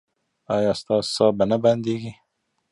ایا ستاسو ساه به نه بندیږي؟